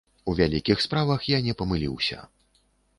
У вялікіх справах я не памыліўся.